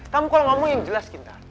kamu kalau ngomong yang jelas kita